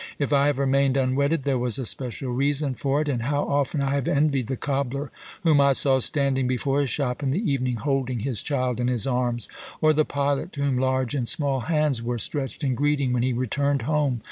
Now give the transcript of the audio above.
If I have remained unwedded, there was a special reason for it, and how often I have envied the cobbler whom I saw standing before his shop in the evening, holding his child in his arms, or the pilot, to whom large and small hands were stretched in greeting when he returned home!